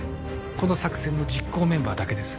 この作戦の実行メンバーだけです